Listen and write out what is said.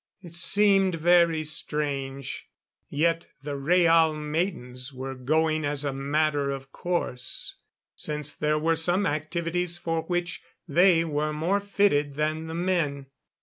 It seemed very strange. Yet the Rhaal maidens were going as a matter of course, since there were some activities for which they were more fitted than the men.